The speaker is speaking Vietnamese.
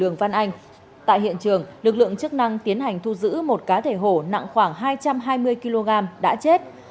lường văn anh tại hiện trường lực lượng chức năng tiến hành thu giữ một cá thể hổ nặng khoảng hai trăm hai mươi kg đã chết